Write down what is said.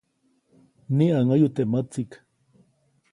Mniʼäŋäyu teʼ mätsiʼk.